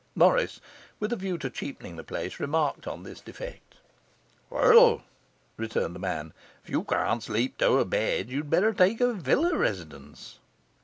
Morris, with a view to cheapening the place, remarked on this defect. 'Well,' returned the man; 'if you can't sleep two abed, you'd better take a villa residence.